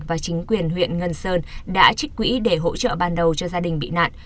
và chính quyền huyện ngân sơn đã trích quỹ để hỗ trợ ban đầu cho gia đình bị nạn